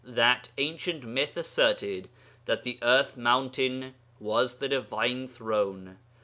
That ancient myth asserted that the earth mountain was the Divine Throne.